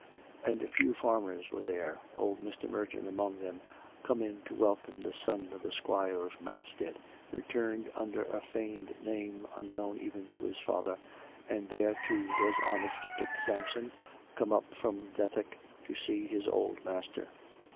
And a few farmers were there, old Mr. Merton among them, come in to welcome the son of the Squire of Matstead, returned under a feigned name, unknown even to his father, and there, too, was honest Dick Sampson, come up from Dethick to see his old master.